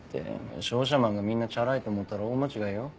商社マンがみんなチャラいと思ったら大間違いよ。